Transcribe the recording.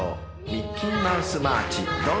［『ミッキーマウス・マーチ』どうぞ］